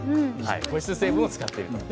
保湿成分を使っています。